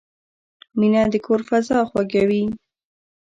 مینه د کور فضا خوږوي.